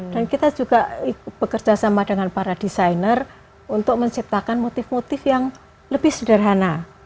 dan kita juga bekerja sama dengan para desainer untuk menciptakan motif motif yang lebih sederhana